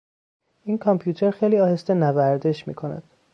این کامپیوتر خیلی آهسته نوردش میکند.